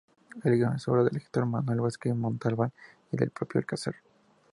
El guión es obra del escritor Manuel Vázquez Montalbán y del propio Alcázar.